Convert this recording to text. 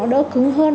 nó đỡ cứng hơn